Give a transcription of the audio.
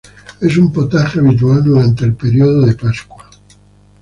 Es un potaje habitual durante el período de pascua.